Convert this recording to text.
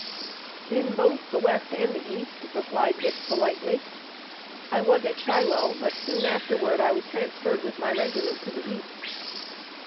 "In both the west and the east," replied Dick politely. "I was at Shiloh, but soon afterward I was transferred with my regiment to the east."